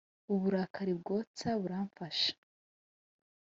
Uburakari bwotsa buramfashe